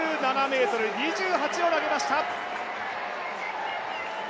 ８７ｍ２８を投げました。